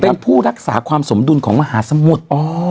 เป็นผู้รักษาความสมดุลของมหาสมุทร